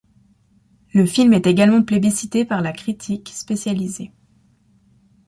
Le film est également plébiscité par la critique spécialisée.